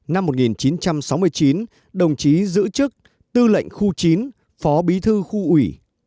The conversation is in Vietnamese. năm một nghìn chín trăm sáu mươi chín đồng chí giữ chức tư lệnh khu chín phó bí thư khu ủy